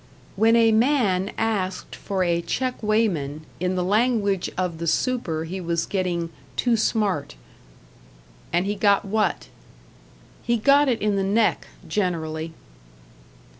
"When a man asked for a checkweighman, in the language of the super he was getting too smart." "And he got what?" "He got it in the neck, generally."